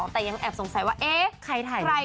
แต่ยังแอบสงสัยว่าใครถ่ายให้